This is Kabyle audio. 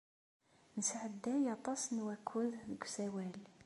Nesɛedday aṭas n wakud deg usawal.